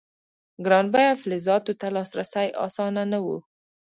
ګران بیه فلزاتو ته لاسرسی اسانه نه و.